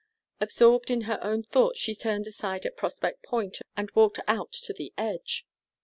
Absorbed in her own thoughts, she turned aside at Prospect Point, and walked out to the edge.